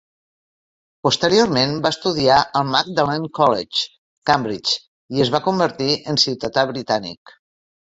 Posteriorment va estudiar al Magdalene College, Cambridge, i es va convertir en ciutadà britànic.